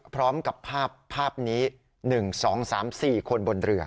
พร้อมกับภาพนี้๑๒๓๔คนบนเรือ